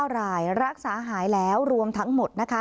๙รายรักษาหายแล้วรวมทั้งหมดนะคะ